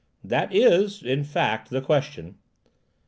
"That is—in fact—the question."